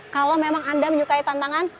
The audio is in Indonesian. kalau memang anda menyukai tantangan